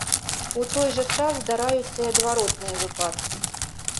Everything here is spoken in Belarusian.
У той жа час здараюцца і адваротныя выпадкі.